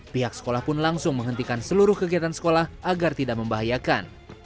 pihak sekolah pun langsung menghentikan seluruh kegiatan sekolah agar tidak membahayakan